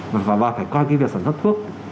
và phải coi cái việc sản xuất thuốc